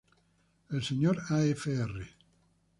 S. Afr.